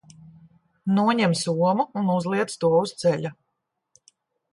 Noņem somu un uzliec to uz ceļa.